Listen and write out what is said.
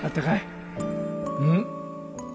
うん？